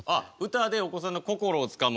歌でお子さんの心をつかむ。